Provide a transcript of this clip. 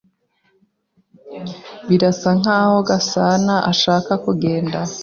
Birasa nkaho Gasana ashaka kugenda.